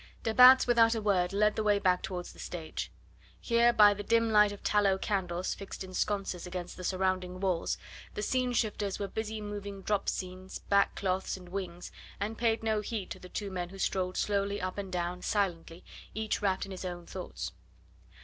De Batz without a word led the way back towards the stage. Here, by the dim light of tallow candles fixed in sconces against the surrounding walls, the scene shifters were busy moving drop scenes, back cloths and wings, and paid no heed to the two men who strolled slowly up and down silently, each wrapped in his own thoughts.